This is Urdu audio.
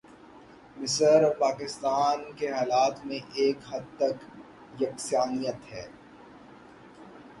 مصر اور پاکستان کے حالات میں ایک حد تک یکسانیت ہے۔